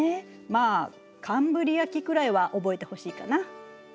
まあカンブリア紀くらいは覚えてほしいかな。